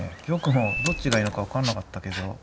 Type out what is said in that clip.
玉もどっちがいいのか分かんなかったけど。